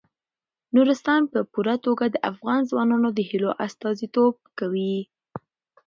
نورستان په پوره توګه د افغان ځوانانو د هیلو استازیتوب کوي.